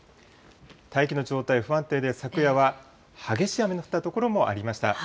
大気の状態、不安定で、昨夜は激しい雨の降った所もありました。